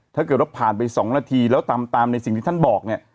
ถ้าเกิดว่าผ่านไป๒นาทีแล้วตามในสิ่งที่ท่านบอกเนี่ย